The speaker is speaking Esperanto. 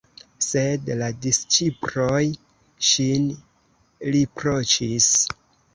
Sed la disĉiploj ŝin riproĉis.